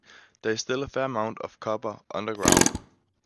There is still a fair amount of copper underground.